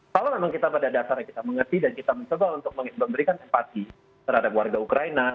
kalau memang kita pada dasarnya kita mengerti dan kita mencoba untuk memberikan empati terhadap warga ukraina